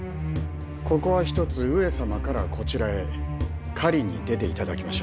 ここはひとつ上様からこちらへ狩りに出て頂きましょう。